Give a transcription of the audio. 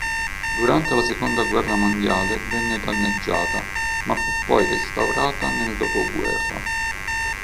Durante la seconda guerra mondiale venne danneggiata ma fu poi restaurata nel dopoguerra.